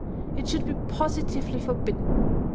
It should be positively forbidden.